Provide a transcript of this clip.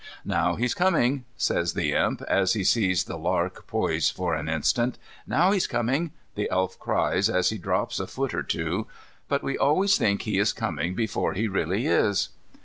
"Now he's coming," says the Imp, as he sees the lark poise for an instant. "Now he's coming," the Elf cries, as he drops a foot or two. But we always think he is coming before he really is.